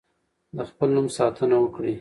د خپل نوم ساتنه وکړئ.